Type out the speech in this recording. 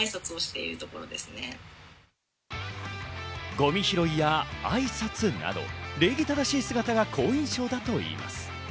ゴミ拾いやあいさつなど、礼儀正しい姿が好印象だといいます。